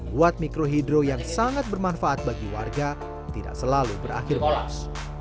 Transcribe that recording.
buat mikro hidro yang sangat bermanfaat bagi warga tidak selalu berakhir bolas